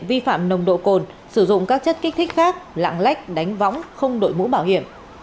vi phạm nồng độ cồn sử dụng các chất kích thích khác lạng lách đánh võng không đội mũ bảo hiểm